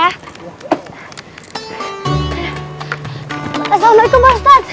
assalamualaikum pak ustadz